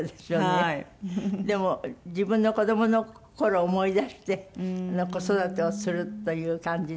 でも自分の子どもの頃を思い出して子育てをするという感じで。